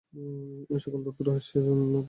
এই-সকল তত্ত্ব রহস্যের উত্তরদানে অক্ষম।